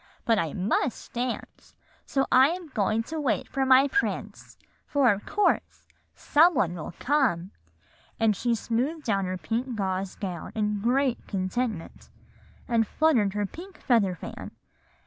But I must dance; so I am going to wait for my prince, for of course some one will come;' and she smoothed down her pink gauze gown in great contentment, and fluttered her pink feather fan.